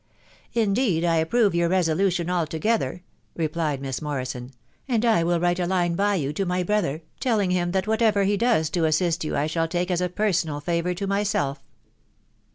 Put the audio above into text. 1* " Indeed I approve your resolution altogether," replied Miss Morrison ;" and I will write a line by you te my brother, telling him that whatever he does to assist you, I shall take as a personal favour to myself."